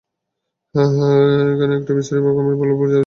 হ্যাঁ, হ্যাঁ, এখনে একটা বিশ্রী রকমের ভুল বুঝাবুঝি হয়ে গেছে।